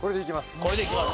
これでいきますか。